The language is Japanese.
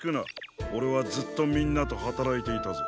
オレはずっとみんなとはたらいていたぞ。